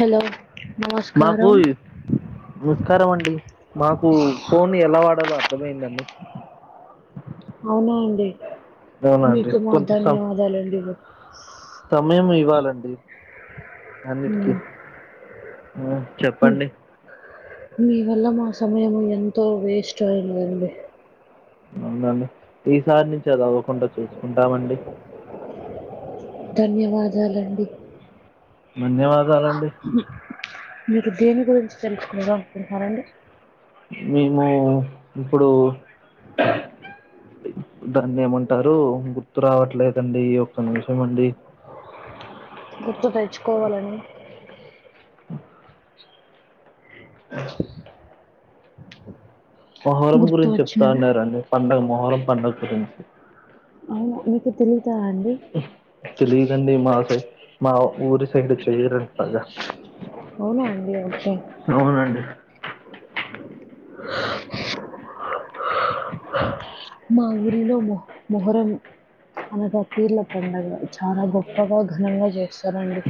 Hello మాకు నమస్కారం నమస్కారం అండి మాకు ఫోన్ ఎలా వాడాలో అర్థమయిందండి అవునా అండి అవునండి మీకు మా కొంచెం సం ధన్యవాదాలండి సమయం ఇవ్వాలండి మ్మ్. అన్నిటికీ ఆ మ్మ్. చెప్పండి మీ వల్ల మా సమయం ఎంతో వేస్ట్ అయిందిండి అవునండి ఈసారి నుంచి అది అవ్వకుండా చూసుకుంటామండి ధన్యవాదాలండి మన్యవాదాలండి మీకు దేని గురించి తెలుసుకున్నారా అనుకుంటున్నానండి మేము ఇప్పుడు దాన్ని ఏమంటారు గుర్తు రావట్లేదండి అయ్యో ఒక నిమిషం అండి గుర్తు తెచ్చుకోవాలని ఆ మొహరం గుర్తు గురించి చెప్తా వచ్చినవా ఉన్నారండి పండుగ మొహరం పడుగ గురించి అవును మీకు తెలియదా అండి తెలియదండి మా సై మా ఊరి సైడ్ చేయర పగా అవునా అండి ఓకే అవునండి మా ఊరిలో మొహ్ మొహరం అనగా పీర్ల పండగ చానా గొప్పగా ఘనంగా చేస్తారండి.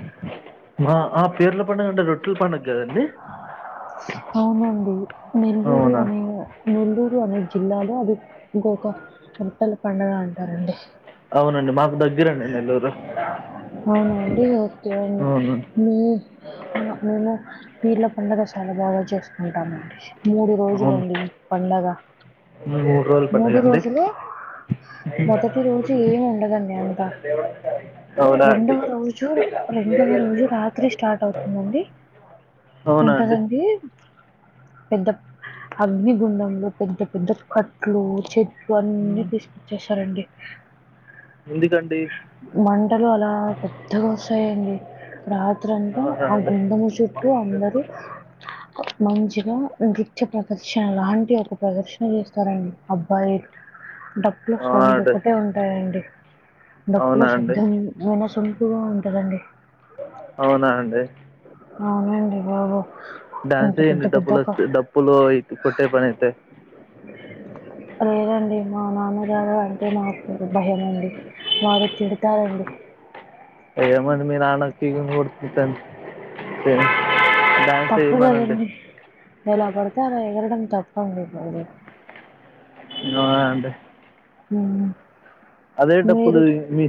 మా ఆ పీర్ల పండగ అంటే రొట్ అవునండి నెల్లూరు అవునా అనే నెల్లూర్ రు అనే జిల్లాలో అది ఇంకొక రొట్టెల పండగ అంటారండి. అవునండి మాకు దగ్గరండి నెల్లూరు అవునా అండి ఓకే అండి అవును మీ మా మేము పీర్ల పండగ చాలా బాగా చేస్కుంటాము. మూడు అవును రోజులండి పండగ మూడు రోజుల పండుగ మూడు అండి రోజులే మొదటి రోజు ఏమి ఉండదండి అంతా, అవునా అండి రెండవ రోజు రెండవ రోజు రాత్రి స్టార్ట్ అవుతుందండి అవునా అండి ఉంటదండి. పెద్ద అగ్ని గుండంలో పెద్ద పెద్ద కట్లు చెట్లు అన్ని మ్మ్. తీసుకొచ్చి వేస్తారండి అ ఎందుకండి మంటలు అలా పెద్దగా వస్తాయండి. రాత్రి అంట అవునా ఆ అండి గుండము చుట్టూ అందరు మంచ్ గా నృత్య ప్రదర్శన లాంటి ఒక ప్రదర్శన చేస్తారండి అబ్బాయి డప్పుల అవునా సౌండ్ అండి ఒకటే ఉంటాయండి డప్పుల అవునా అండి శబ్దం విన్ న సొంపుగా ఉంటదండి. అవునా అండి అవునండి బాబు డాన్స్ ఇంత పెద్ద వేయండి పెద్ద క డప్పులొస్తే డప్పులు ఇటు కొట్టే పని అయితే అది మా నాన్నగారు అంటే నాకు ఇక భయం అండి తిడతారండి. ఏమండి మీ నాన్న కి మీరు గూడ తిట్టండి [unintelligible] తప్పు గదండి ఎలా పడితే అలా ఎగరడం తప్పండి అసలుకి నో అండి హుమ్ అదే డప్పులు మీ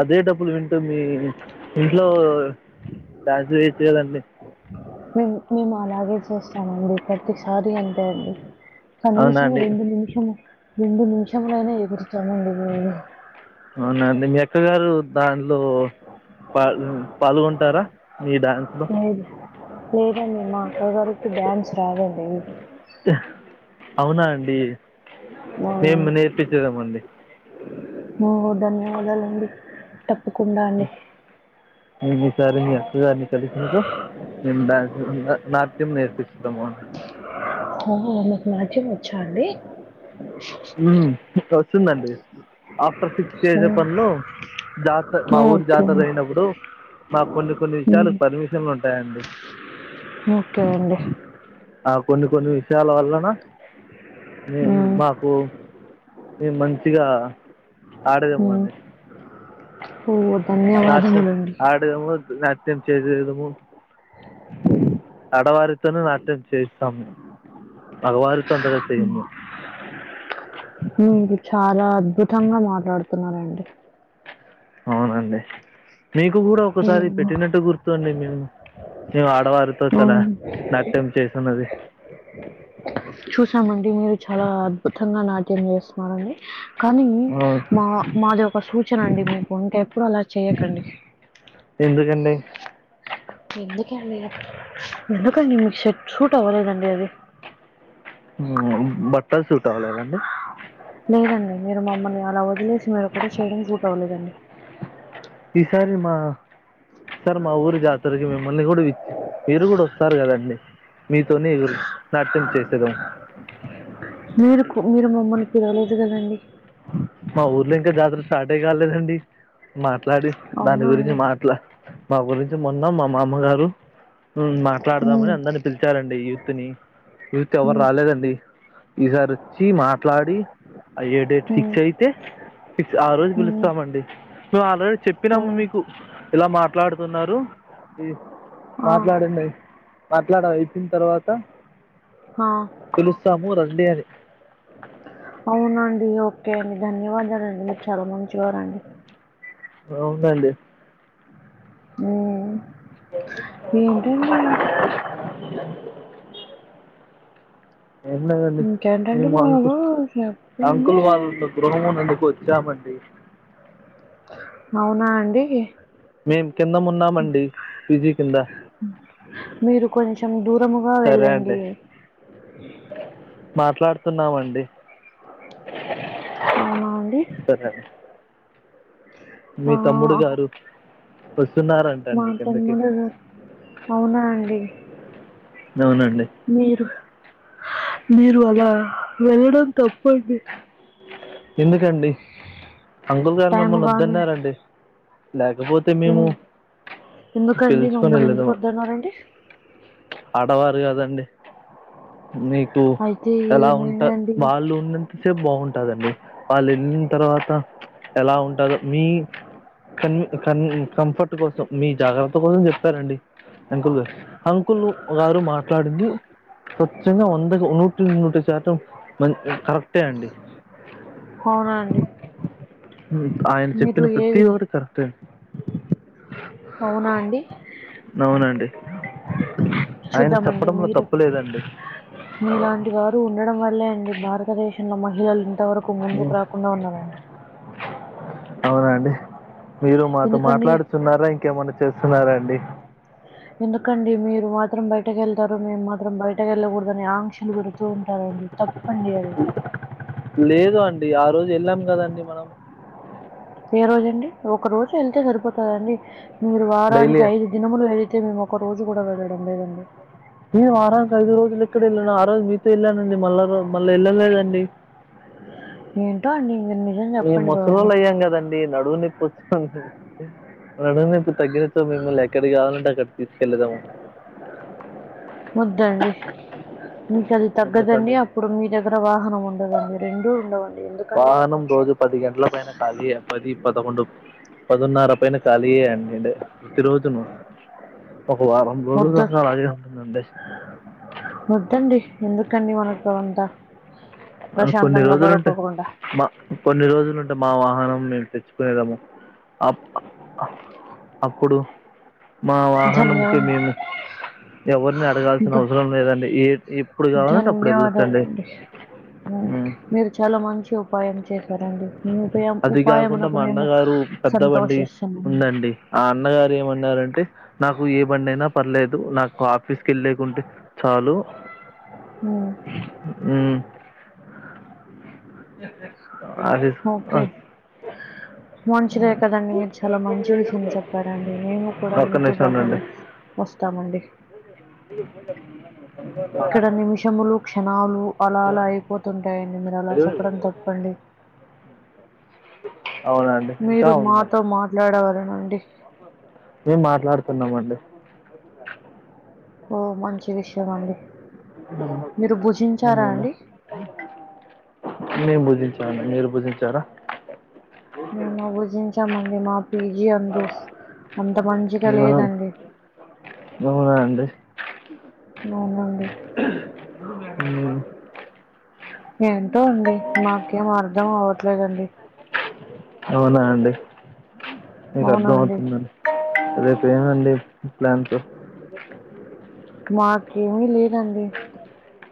అదే డప్పులు వింటూ మీ ఇంట్లో డ్యాన్స్ వేయొచ్చు కదండి. మేం మేము అలాగే చేస్తామండి ప్రతిసారి అంతే అండి అవునా కనీసం అండి రెండు నిమిషము రెండు నిమిషములైనా ఎగురు తామండి మేము అక్క గారు దాన్లో పాల్ పాల్గొంటారా మీ డ్యాన్స్ లో లేదు లేదండి మా అక్కగారికి డ్యాన్స్ రాదండి. యహ్ అవునా అండి మేము అవునండి నేర్పిచ్చెదమండి. ఓ ధన్యవాదాలండి తప్పకుండా అండి సరే మీ అక్క గారిని కలిసినచో నేను డాన్ ఉమ్ నా నాట్యం నేర్పిస్ దము ఆ అ మీకు నాకు నాట్యం వచ్చా అండి? వచ్చిందండి ఆఫ్టర్ ఫిక్స్ ఓ, చేసే పనిలో జాత మా ఊరు ఓకే జాతర అయినప్పుడు మాకు కొన్ని కొన్ని ఉమ్, విషయాలకు పర్మిషన్లు ఉం టాయండి ఓకే అండి ఆ కొన్ని కొన్ని విషయాల వల్లన మేం ఉమ్, మాకు మేం మంచిగా ఆడెదము ఉమ్. అండి ఓ నాట్యం ధన్యవాదములండి ఆడెదము నాట్యం చేయలేదు నువ్వు ఆడవారితోను నాట్యం చేస్తాము అవునా మీరు చాలా [unintelligible] మాట్లాడుతున్నారండి అవునండి మీకు కూడా ఒకసారి ఉమ్. పెట్టినట్టు గుర్తు ఉంది నేను ఆడవారితో చాలా అవును. నాట్యం చేస్తున్నది చూసామండి మీరు చాలా అద్భుతంగా నాట్యం చేస్తున్నారండి కానీ అవును, మా మాది ఒక సూచన అండి మీకు ఇంకెప్పుడు అలా చేయకండి ఎందుకం ఎందుకండి అంటే ఎందుకంటే మీకు సె సూట్ అవ్వలేదండి అది బట్టలు చూస్తామా కదండీ లేదండి. మీరు మమ్మల్ని అలా వదిలేసి మీరొక్కటే చేయడం సూట్ అవ్వలేదండి సరే మా ఈసార్ మా ఊరు జాతరకి మిమ్మల్ని కూడాచ్చి మీరు కూడా వస్తారు కదండి మీతోనే నాట్యం చేసేదాం మీరుకు మీరు మమ్మల్ని పిలవలేదు కదండి మా ఊర్లో ఇంకా జాతర స్టార్టే కాలేదండి మాట్లాడి దాని అవునా గురించి అండి? మాట్లా మా గురించి మొన్న మా మామగారు మాట్లాడదామని హ్మ్. అందరినీ పిలిచారండి యూత్ని యూత్ ఎవరు హ్మ్. రాలేదండి ఈసారి వచ్చి మాట్లాడి అ ఏ డేట్ హ్మ్. ఫిక్స్ అయితే ఆ రోజు హ్మ్. పిలుస్తామండి మేము ఆల్రెడీ చెప్పినాము ఓహ్! మీకు ఇలా మాట్లా డుతున్నారు ఈ ఆ! మాట్లాడండి అని మాట్లాడడం అయిపోయిన తర్వాత ఆ! పిలుస్తాము రండి అని అవునా అండి ఓకే అండి ధన్యవాదాలండి మీరు చాలా మంచివారండి [unintelligible] ఆ ఏంటండి అ ఏం లేదండి ఇంకేంటండి మేము బాబు అంకుల్ చెప్పండి. అంకుల్ వాళ్ళున్న [unintelligible] చ్చామండి అవునా అండి మేం కింద ఉన్నామండి పీజీ కింద మీరు కొంచెం దూరముగా వెళ్ళండి మాట్లాడు తున్నామండి అవునా అండి? సరే అండి మీ ఆ! తమ్ముడు గారు మా వస్తున్నారంటండి కిందకి తమ్ముడు అవునా అండి? అవునండి మీరు మీరు అలా వెళ్ళడం తప్పండి ఎందుకండి అంకుల్ గారు మిమ్మల్ని టైముగాని వద్దన్నారండి లేకపోతే ఎన్ మేము ఎందుకండి పిలుచుకొని మమ్మల్ని ఎందుకు వెళ్ళదమా వద్దన్నారండి? ఆడవారు కదండి మీకు అయితే ఎలా ఉంటా ఏమైందండి? వాళ్ళు ఉన్నంత సేపు బాగుంటదండి వాళ్ళు వెళ్ళిన తర్వాత ఎలా ఉంటందో మీ కన్ కన్ కంఫర్ట్ కోసం మీ జాగ్రత్త కోసం చెప్పారండి అంకుల్ గారు అంకుల్ గారు మాట్లాడింది స్వచ్ఛంగా వందకి నూటికి నూటి శాతం మం కరెక్టే అండి అవునా అండి ఆయన మీరు చెప్పిన ప్రతి ఒకటి కరెక్టే అండి అవునండి అవునండి ఆయన చెప్పడంలో మీరు తప్పు లేదండి మీలాంటి వారు ఉండడం వల్లే అండి భారతదేశంలో మహ్ మహిళలు ఇంతవరకు ముందుకు రాకుండా ఉన్నారండి అవునండి మీరు మాతో ఎందుకండి మాట్లాడుతున్నారా ఇంకేమన్నా చేస్తున్నారాండి ఎందుకండి మీరు మాత్రం బయటకి వెళ్తారు మేము మాత్రం బయటకు వెళ్ళకూడదని క్షలు పెడుతూ ఉంటారండి తప్పండి అది లేదు అండి ఆ రోజు వెళ్ళాం కదండి మనం ఏ రోజ అండి ఒక రోజు వెళ్తే సరిపోతదండి మీరు డైలీ వారానికి ఐదు దినములు వె అయితే మేము ఒక రోజు కూడా వెళ్ళడం లేదండి నేను వారానికి ఐదు రోజులు ఇక్కడ వెళ్ళాను ఆ రోజు మీతో వెళ్ళానండి మళ్ళా మళ్ళా వెళ్ళలేదండి ఏంటో అండి మీరు నిజం ఈ చెప్పండి బాబు. ముసలళ్ళ అయ్యాం కదండీ నడువు నిప్పొచ్చుకో నడుం నొప్పి తగ్గినక మిమ్మల్ని ఎక్కడికి కావాలంటే అక్కడికి తీసుకెళ్ళదాము వద్దండీ మీకు అది తగ్గదండి ఎందుకండి అప్పుడు మీ దగ్గర వాహనం ఉండదండి రెండూ ఉండవండి ఎందుకండిను వాహనం రోజు పది గంటల పైన పది పదకొండు పదన్నర పైన ఖాళీయండి అండి ప్రతి రోజును ఒక వారం రోజులు వద్దు. ఉన్నాం అయ్యే వస్తుంది అంతే వద్దండి ఎందుకండి మనకు అది అంతా కొన్ని ప్రశాంతంగా రోజులుంటేయి పడుకోకుండా మా కొన్ని రోజులుంటే మా వాహనం మేము తెచ్చుకునేదాముఅప్ అప్ అప్పుడు మా వాహనంకి ధన్యవాద మేము ఎవరిని అడగాల్సిన ధ- అవసరం లేదండి ఏ ఎప్పుడు కావాలంటే అప్పుడు వెళ్ళొచ్చండి ధన్యవాదాలండి మీరు చాలా మంచి ఉపాయం చేశారండి మీ ఉపాయం అది కాకుండా ఉపాయంమునకు మా మేము అన్నగారు పెద్ద బండి సంతోషిస్తున్నాము ఉందండి ఆ అన్నగారి ఏమన్నారంటే నాకు ఏ బండి అయినా పర్లేదు నాకు ఆఫీస్కిె వెళ్ళకుంటే చాలు ఉమ్, హమ్ అదిే ఓకే ఆహ్ మంచిదే కదండి మీరు చాలా మంచి విషయం చెప్పారండి మేము కూడా ఒక్క మీతో నిమిషం పాటు వ వస్తామండి ఇ [inaudible] ఇక్కడ నిమిషములు క్షణాలు అలా అలా అయిపోతుంటాయండి మీరు అలా చెప్పడం తప్పండి [unintelligible] ఇంకా మీరు ఉందండి మాతో మాట్లాడవలే నుండి మేం మాట్లాడుతున్నామండి ఓ మంచి విషయం అండి మీరు భుజించారా అవునండి, అండి మేను భుజించాము అండి మీరు భుజించారా మేము భూ జించామండి మా పీజీ అందు అంత మంచిగా అవునా లేదండి అవునా అండి అవునునండి మ్మ్. ఏంటో అండి మాకేం అర్ధం కా వట్లేదండి అవునా అండి మీకు అర్థం అవునండి. అవుతుందండి రేపు ఏమండి ప్లాన్స్ హమ్ మాకేమీ లేదండి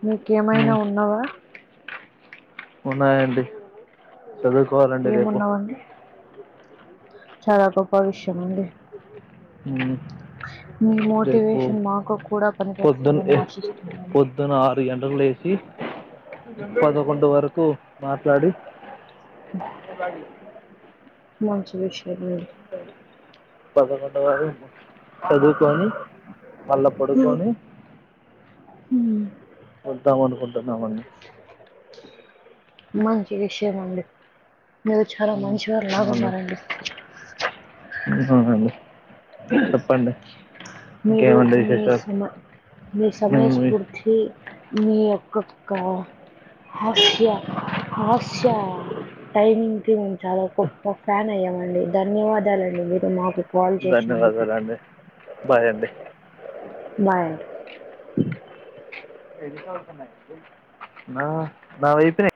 మీకేమైనా మ్మ్. ఉన్నావా ఉన్నాయండి చదువుకోవాలండి రేపు ఏమున్నవండి? చాలా గొప్ప విషయం అండి హమ్ మీ రేపు మోటివేషన్ మాకు కూడా పొద్దున పనికొస్తదని ఎ ఆశిస్తున్నాను. పొద్దున ఆరు గంటలకి లే సి పదకొండు వరకు మాట్లాడి మంచి విషయమే సడ పదకొండు వరేమో చదువుకొని మళ్ళా పడుకొని హ్మ్. వద్దం అనుకుంటున్నామండి మంచి విషయమండి మీరు చాలా మ్మ్. మంచివారు లాగ ఉన్నారండి ఉన్నానండి చెప్పండి మీరు ఇంకేమండి మీ విశేషాలు సమ మీ మ్మ్. సమయస్ఫూర్తి మీ యొక్కక్క హాస్య హాస్య టైమింగ్ కి మేము చాలా గొప్ప ఫ్యాన్ అయ్యామండి ధన్యవాదాలండి మీరు మాకు కాల్ చేసినందుకు ధన్యవాదాల అండి బాయ్ అండి బాయ్ అండి నా నా వైఫే